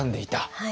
はい。